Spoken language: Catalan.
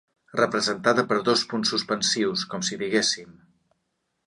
Representada per dos punts suspensius, com si diguéssim.